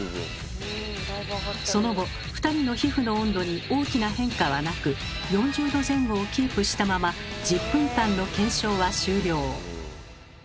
その後２人の皮膚の温度に大きな変化はなく４０℃前後をキープしたまま１０分間の検証は終了。